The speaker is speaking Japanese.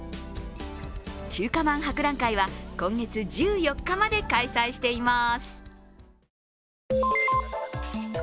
中華まん博覧会は今月１４日まで開催しています。